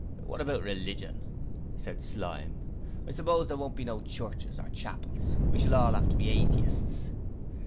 'What about religion?' said Slyme. 'I suppose there won't be no churches nor chapels; we shall all have to be atheists.'